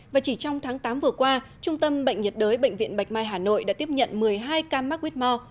và chỉ trong tháng tám vừa qua trung tâm bệnh nhiệt đới bệnh viện bạch mai hà nội đã tiếp nhận một mươi hai ca mắc whore